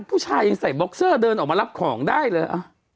ชนึงชายยังใส่บ็อกซอหนอกมารับของได้เลย